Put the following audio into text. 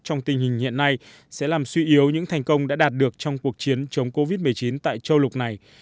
trong tình hình hiện nay sẽ làm suy yếu những thành công đã đạt được trong cuộc chiến chống covid một mươi chín tại châu lục này